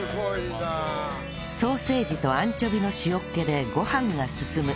ソーセージとアンチョビの塩っ気でご飯がすすむ